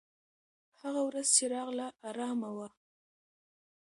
هغه ورځ چې راغله، ارامه وه.